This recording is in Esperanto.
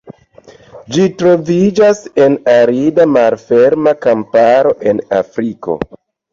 Ĝi troviĝas en arida, malferma kamparo en Afriko.